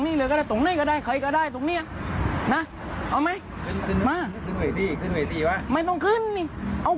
อนุญาตใช่โน่นครับ